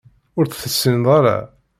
Ur tt-tessineḍ ara